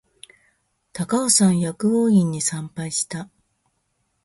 高尾山薬王院に参拝した